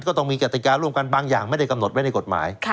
ก็ต้องมีกติการ่วมกันบางอย่างไม่ได้กำหนดไว้ในกฎหมาย